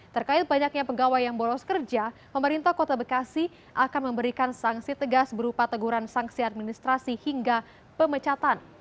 terkait banyaknya pegawai yang bolos kerja pemerintah kota bekasi akan memberikan sanksi tegas berupa teguran sanksi administrasi hingga pemecatan